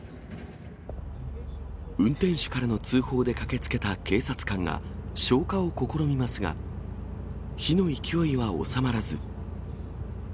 運転手からの通報で駆けつけた警察官が消火を試みますが、火の勢いは収まらず。